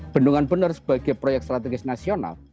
bendungan bener sebagai proyek strategis nasional